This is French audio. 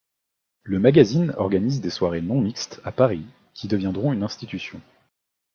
Le magazine organise des soirées non mixtes à Paris qui deviendront une institution.